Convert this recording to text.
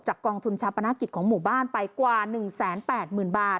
กองทุนชาปนกิจของหมู่บ้านไปกว่า๑๘๐๐๐บาท